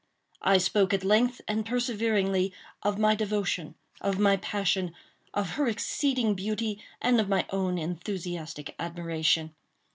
I spoke at length, and perseveringly of my devotion, of my passion—of her exceeding beauty, and of my own enthusiastic admiration.